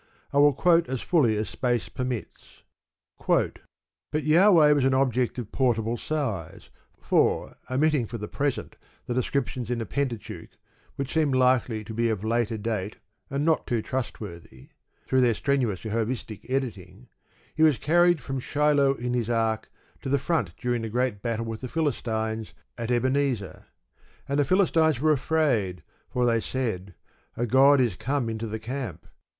I will quote as fully as space permits: But Jahweh was an object of portable size, for, omitting for the present the descriptions in the Pentateuch which seem likely to be of later date, and not too trustworthy, through their strenuous Jehovistic editing he was carried from Shiloh in his ark to the front during the great battle with the Philistines at Ebenezer; and the Philistines were afraid, for they said, "A god is come into the camp."